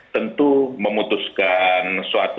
tentu memutuskan suatu